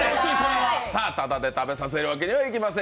ただで食べさせるわけにはいきません。